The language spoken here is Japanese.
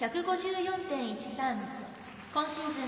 シーズン